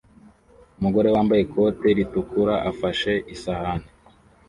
Umugore wambaye ikote ritukura afashe isahani